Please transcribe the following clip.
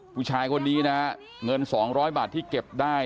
ผู้ชายคนนี้นะเงินสองร้อยบาทที่เก็บได้